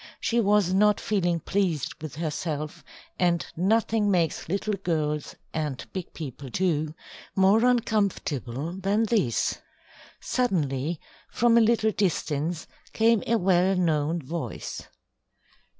She was not feeling pleased with herself, and nothing makes little girls, and big people, too, more uncomfortable than this. Suddenly, from a little distance came a well known voice.